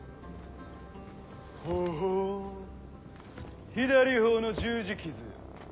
ほほぉ左頬の十字傷。